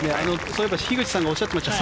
そういえば樋口さんがおっしゃっていました。